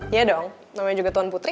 iya dong namanya juga tuan putri